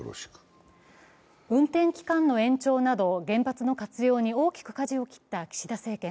運転期間の延長など原発の活用に大きくかじを切った岸田政権。